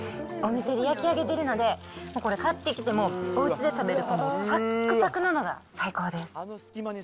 お店で焼き上げてるので、これ、買ってきても、おうちで食べるとさっくさくなのが最高です。